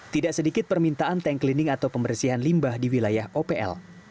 tidak sedikit permintaan tank cleaning atau pembersihan limbah di wilayah opl